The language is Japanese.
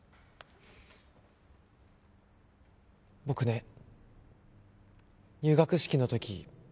僕ね入学式の時